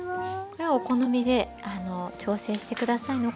これはお好みで調整して下さいね。